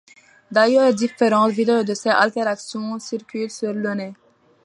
D'ailleurs différentes vidéos de ses altercations circulent sur le net.